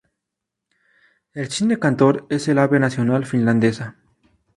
El cisne cantor es el ave nacional finlandesa.